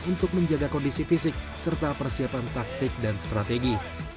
untuk menjaga kondisi fisik serta persiapan taktik dan strategi